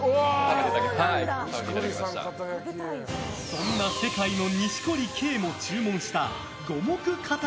そんな世界の錦織圭も注文した五目かた